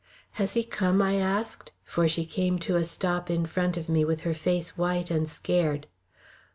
"Has he come?" I asked, for she came to a stop in front of me with her face white and scared.